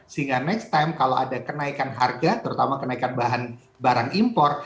sehingga next time kalau ada kenaikan harga terutama kenaikan barang impor